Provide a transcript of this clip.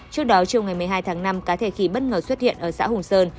trước đó chiều ngày một mươi hai tháng năm cá thể khỉ bất ngờ xuất hiện ở xã hùng sơn